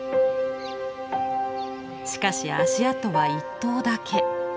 しかし足跡は１頭だけ。